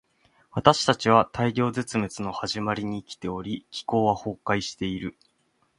私たちは大量絶滅の始まりに生きており、気候は崩壊している。